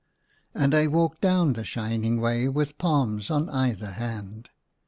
" And I walked down the shining way with palms on either hand.